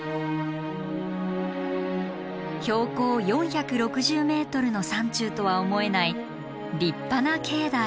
標高４６０ｍの山中とは思えない立派な境内。